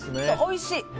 おいしい。